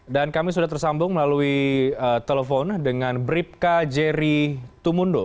dan kami sudah tersambung melalui telepon dengan bribka jerry tumundo